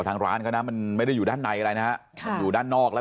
กับทางร้านก็นะมันไม่ได้อยู่ด้านในอะไรนะอยู่ด้านนอกแล้ว